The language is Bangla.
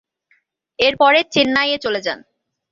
এবং পরে চেন্নাই এ চলে যান।